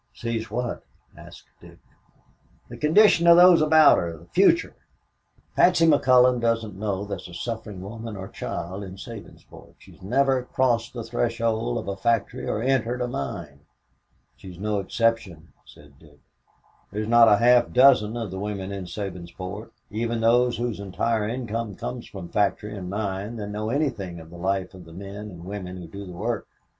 "Sees what?" asked Dick. "The condition of those about her the future. Patsy McCullon doesn't know there is a suffering woman or child in Sabinsport. She has never crossed the threshold of a factory or entered a mine." "She's no exception," said Dick. "There are not a half dozen of the women in Sabinsport, even those whose entire income comes from factory and mine, that know anything of the life of the men and women who do the work.